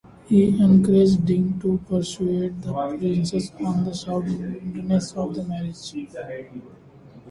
He encouraged Ding to persuade the princess on the soundness of the marriage.